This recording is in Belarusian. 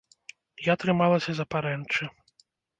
Я трымалася за парэнчы.